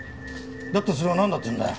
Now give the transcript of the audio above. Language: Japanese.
だったらそれがなんだっていうんだよ。